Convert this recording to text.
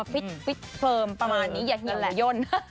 ฟิตเฟิร์มประมาณนี้อย่าเฮียนย่น